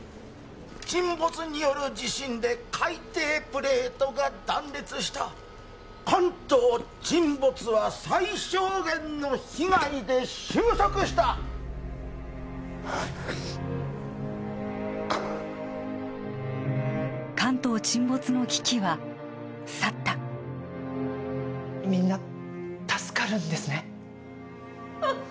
沈没による地震で海底プレートが断裂した関東沈没は最小限の被害で終息した関東沈没の危機は去ったみんな助かるんですね